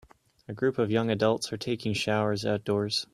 A group of young adults are taking showers outdoors